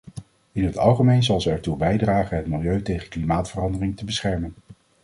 In het algemeen zal ze ertoe bijdragen het milieu tegen klimaatverandering te beschermen.